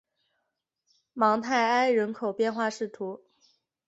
芒泰埃人口变化图示